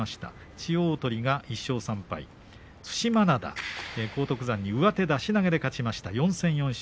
千代鳳が１勝３敗對馬洋、荒篤山に上手出し投げで勝って４戦４勝。